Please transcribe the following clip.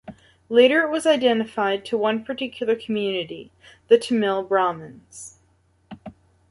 Later it was identified to one particular community, the Tamil Brahmins.